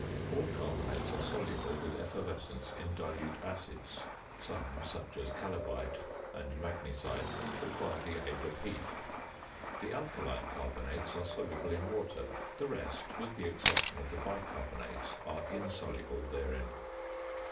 All carbonates are soluble with effervescence in dilute acids; some, such as chalybite and magnesite, require the aid of heat. The alkaline carbonates are soluble in water; the rest, with the exception of the bicarbonates, are insoluble therein.